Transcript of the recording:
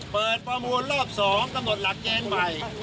เปิดประมวลรอบ๒ตะหมดหลักแจงใหม่